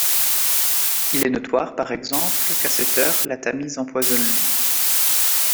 Il est notoire, par exemple, qu’à cette heure, la Tamise empoisonne Londres.